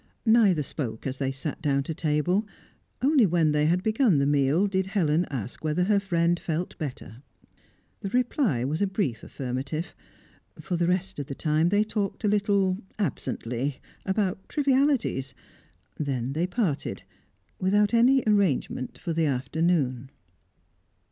Neither spoke as they sat down to table; only when they had begun the meal did Helen ask whether her friend felt better. The reply was a brief affirmative. For the rest of the time they talked a little, absently, about trivialities; then they parted; without any arrangement for the afternoon.